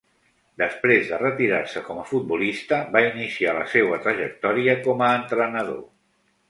Després de retirar-se com a futbolista, va iniciar la seua trajectòria com a entrenador.